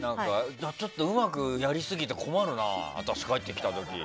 ちょっとうまくやりすぎて困るな私が帰ってきた時。